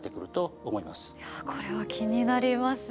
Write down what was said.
いやこれは気になりますね。